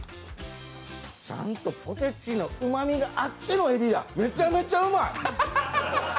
ちゃんとポテチがあってのえびや、めちゃめちゃうまい！